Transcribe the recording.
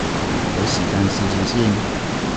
有時間試試先